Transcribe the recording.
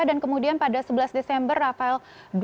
dan kemudian pada sebelas desember rafael